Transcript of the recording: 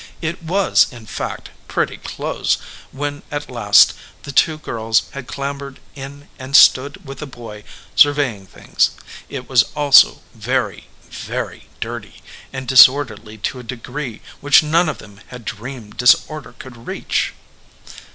It was, in fact, pretty close when at last the two girls had clambered in and stood with the boy sur veying things. It was also very, very dirty, and disorderly to a degree which none of them had dreamed disorder could reach.